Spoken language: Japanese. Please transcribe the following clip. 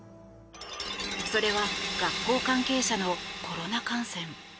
それは学校関係者のコロナ感染。